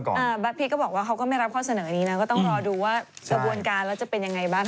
ก็ต้องรอดูว่ากระบวนการแล้วจะเป็นยังไงบ้าง